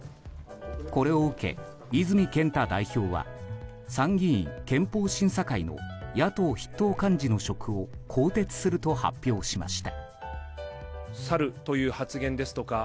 これを受け、泉健太代表は参議院憲法審査会の野党筆頭幹事の職を更迭すると発表しました。